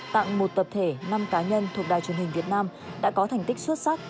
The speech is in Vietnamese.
tặng một tập thể năm cá nhân thuộc đài truyền hình việt nam đã có thành tích xuất sắc